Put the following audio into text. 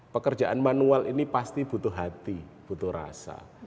pekerjaan manual ini pasti butuh hati butuh rasa